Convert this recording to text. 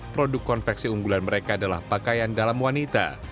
produk konveksi unggulan mereka adalah pakaian dalam wanita